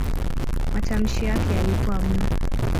Matamshi yake yalikuwa "m".